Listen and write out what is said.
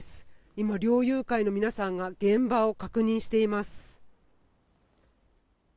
今、猟友会の皆さんが現場を確認しています。